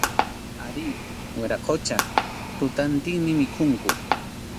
Arí, wiraqucha, tutantinmi mikhunku.